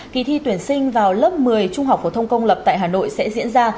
kỳ thi tuyển sinh vào lớp một mươi trung học phổ thông công lập tại hà nội sẽ diễn ra